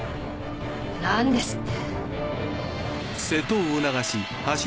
なんですって！